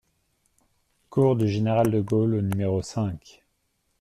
Cours du Général de Gaulle au numéro cinq